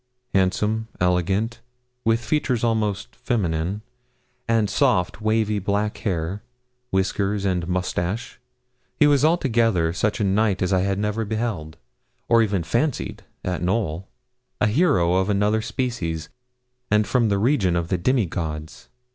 Handsome, elegant, with features almost feminine, and soft, wavy, black hair, whiskers and moustache, he was altogether such a knight as I had never beheld, or even fancied, at Knowl a hero of another species, and from the region of the demigods.